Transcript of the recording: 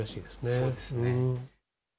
そうですね。